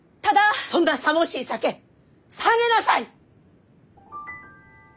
そんなさもしい酒下げなさい！